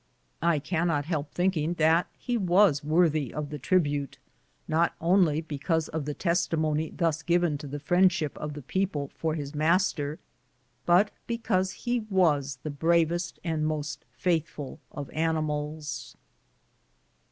I cannot help thinking that he was worthy of the tribute, not only because of the testimony thus CAMPING AMONG THE SIOUX. 59 given to the friendship of the people for his master, but because he was the bravest and most faithful of animals.